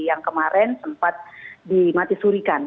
yang kemarin sempat dimatisurikan